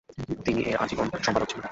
তিনি এর আজীবন সম্পাদক ছিলেন।